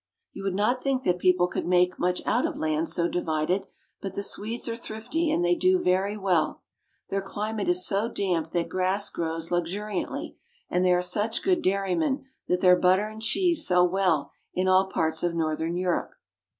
You would not think that people could make much out of land so divided, but the Swedes are thrifty and they do very well. Their cli mate is so damp that grass grows luxuri antly, and they are such good dairymen that their butter and cheese sell well in all parts of northern Europe.